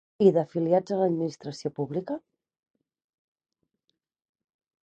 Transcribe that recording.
I d'afiliats a l'administració pública?